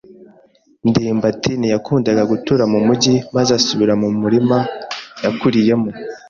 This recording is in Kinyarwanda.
ndimbati ntiyakundaga gutura mu mujyi maze asubira mu murima yakuriyemo.